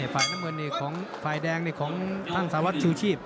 ฝ่ายน้ำเมืองนี่ของฝ่ายแดงนี่ของทางสาวรัฐชูชีพ